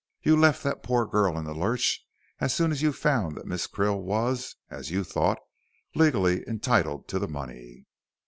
You left that poor girl in the lurch as soon as you found that Miss Krill was as you thought legally entitled to the money."